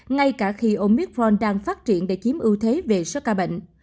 ngay cả khi omicron đang phát triển để chiếm ưu thế về số ca bệnh